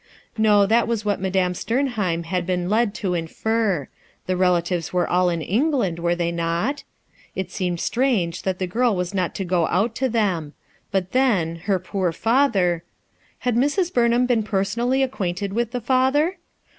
Kb, that was what Madame Stcmheim had been led to infer. The relatives were all in England, were they not? It seemed strange that the girl was not to go out to them; hut then, her poor father — Had Mrs. Burnham been personally acquainted with the father?